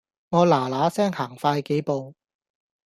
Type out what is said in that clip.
我嗱嗱聲行快幾步